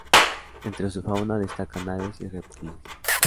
Entre su fauna destacan aves y reptiles.